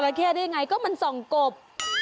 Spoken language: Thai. จราเข้าได้อย่างไรก็มันส่องโกบ